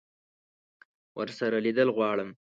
ورسره لیدل غواړم.